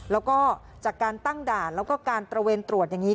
แล้วก็จากการตั้งด่านแล้วก็การตระเวนตรวจอย่างนี้